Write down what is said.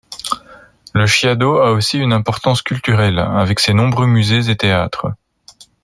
Le Chiado a aussi une importance culturelle, avec ses nombreux musées et théâtres.